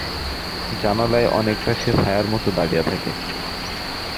জানালায় অনেকটা সে ছায়ার মত দাঁড়িয়ে থাকে।